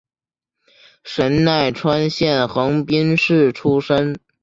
神奈川县横滨市出身。